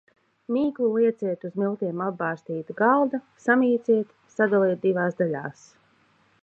Mīklu lieciet uz miltiem apbārstīta galda, samīciet, sadaliet divās daļās.